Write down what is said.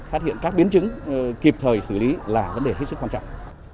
phát hiện các biến chứng kịp thời xử lý là vấn đề hết sức quan trọng